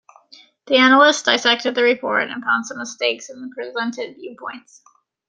The analyst dissected the report and found some mistakes in the presented viewpoints.